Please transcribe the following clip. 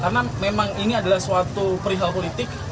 karena memang ini adalah suatu perihal politik